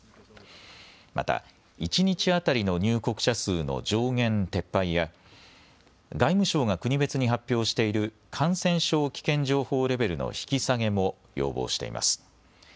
また一日当たりの入国者数の上限撤廃や外務省が国別に発表している感染症危険情報レベルの引き下げも要望しています。